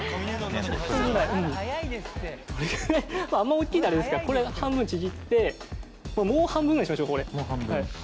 どれぐらいあんまおっきいとあれですからこれ半分にちぎってもう半分ぐらいにしましょう。